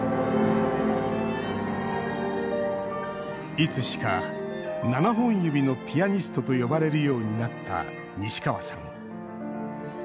いつしか７本指のピアニストと呼ばれるようになった西川さん。